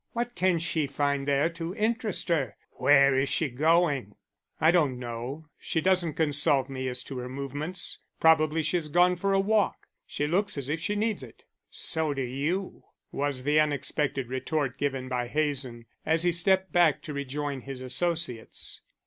What can she find there to interest her? Where is she going?" "I don't know. She doesn't consult me as to her movements. Probably she has gone for a walk. She looks as if she needs it." "So do you," was the unexpected retort given by Hazen, as he stepped back to rejoin his associates.